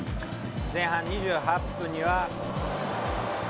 前半２８分には。